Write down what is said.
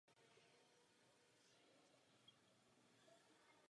Výroba byla ukončena po druhé světové válce a technologické zařízení zničeno.